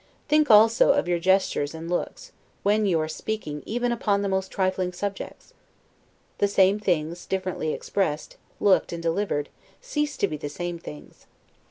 Think also of your gesture and looks, when you are speaking even upon the most trifling subjects. The same things, differently expressed, looked, and delivered, cease to be the same things.